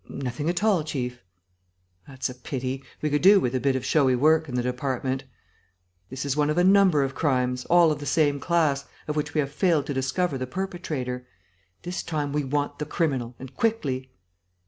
"Nothing at all, chief." "That's a pity. We could do with a bit of showy work in the department. This is one of a number of crimes, all of the same class, of which we have failed to discover the perpetrator. This time we want the criminal ... and quickly!"